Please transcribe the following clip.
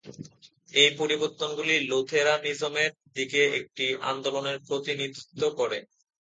এই পরিবর্তনগুলি লুথেরানিজমের দিকে একটি আন্দোলনের প্রতিনিধিত্ব করে।